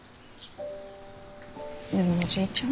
でもおじいちゃん。